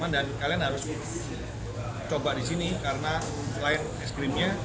dan kalian harus coba di sini karena selain es krimnya